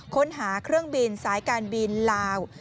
ค้นหาเครื่องบินสายการบินลาว